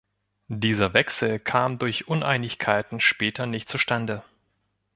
Dieser Wechsel kam durch Uneinigkeiten später nicht zustande.